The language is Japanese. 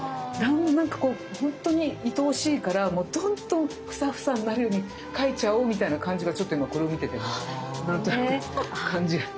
なんかこうほんとにいとおしいからもうどんどんふさふさになるように描いちゃおうみたいな感じがちょっと今これを見てて何となく感じる。